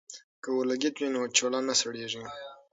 که اورلګیت وي نو چولہ نه سړیږي.